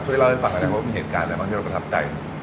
ช่วยเล่าให้ฟังหน่อยนะครับว่ามีเหตุการณ์อะไรบ้างที่เราประทับใจ